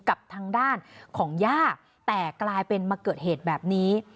กับทางด้านของย่าแต่กลายเป็นมาเกิดเหตุแบบนี้